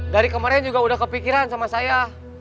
dari kemarin juga udah kepikiran sama saya